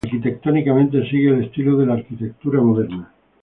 Arquitectónicamente sigue el estilo de la arquitectura moderna.